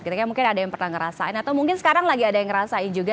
kita mungkin ada yang pernah ngerasain atau mungkin sekarang lagi ada yang ngerasain juga